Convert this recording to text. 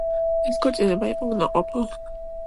ეს ქორწინება იყო უნაყოფო.